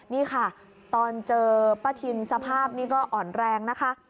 นี่ค่ะตอนเจอป้าทินสภาพนี้ก็อ่อนแรงนะคะ